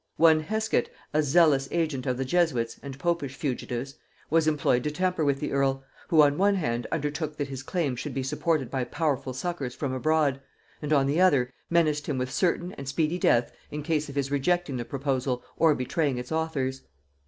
One Hesket, a zealous agent of the Jesuits and popish fugitives, was employed to tamper with the earl, who on one hand undertook that his claim should be supported by powerful succours from abroad, and on the other menaced him with certain and speedy death in case of his rejecting the proposal or betraying its authors.